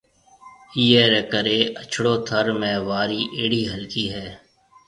ايئيَ رَي ڪرَي اڇڙو ٿر ۾ وارِي اھڙِي ھلڪِي ھيََََ